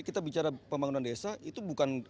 jadi kita bicara pembangunan desa itu bukan berarti